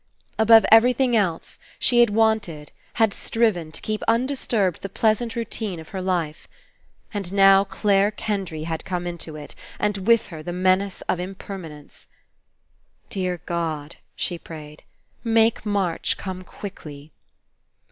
Above everything else she had wanted, 187 PASSING had striven, to keep undisturbed the pleasant routine of her life. And now Clare Kendry had come into It, and with her the menace of Im permanence. ''Dear God," she prayed, "make March come quickly."